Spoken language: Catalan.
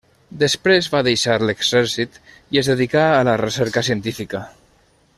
Després va deixar l'exèrcit i es dedicà a la recerca científica.